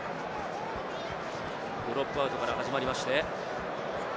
ドロップアウトから始まりまして。